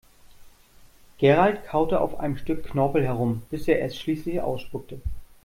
Gerald kaute auf einem Stück Knorpel herum, bis er es schließlich ausspuckte.